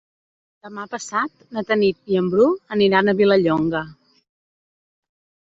Demà passat na Tanit i en Bru aniran a Vilallonga.